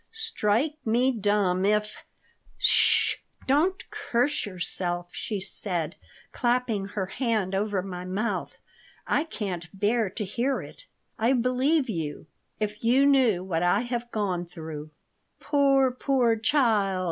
"Strike me dumb if " "'S sh! Don't curse yourself," she said, clapping her hand over my mouth. "I can't bear to hear it. I believe you. If you knew what I have gone through!" "Poor, poor child!"